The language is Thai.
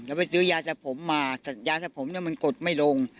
แล้วไปซื้อยาสะผมมายาสะผมเนี่ยมันกดไม่ลง